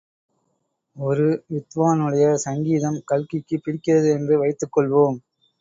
ஒரு வித்வானுடைய சங்கீதம் கல்கிக்குப் பிடிக்கிறது என்று வைத்துக் கொள்வோம்.